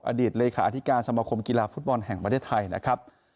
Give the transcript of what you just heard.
อดีตเลขาธิการสมคมกีฬาฟุตบอลแห่งประเทศไทยนะครับ